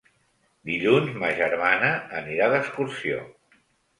Dilluns ma germana anirà d'excursió.